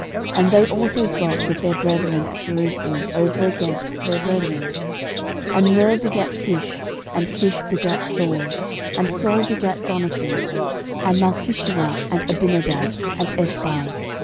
And they also dwelt with their brethren at Jerusalem, over against their brethren. 13:009:039 And Ner begat Kish; and Kish begat Saul; and Saul begat Jonathan, and Malchishua, and Abinadab, and Eshbaal.